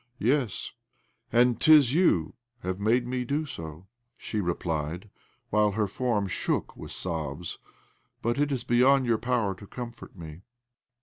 " Yes, and 'tis you have made me do so," she replied, while her form shook with sob^. " But it is beyond your power to comfort me.